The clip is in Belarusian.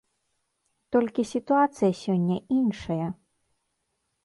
Толькі сітуацыя сёння іншая.